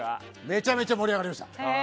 めちゃめちゃ盛り上がりました。